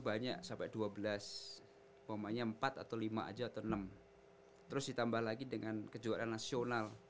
banyak sampai dua belas pokoknya empat atau lima aja atau enam terus ditambah lagi dengan kejuaraan nasional